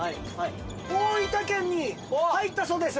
大分県に入ったそうです！